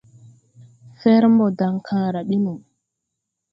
Fɛr mbɔ daŋkããra ɓi no.